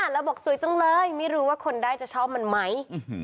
แล้วบอกสวยจังเลยไม่รู้ว่าคนได้จะชอบมันไหม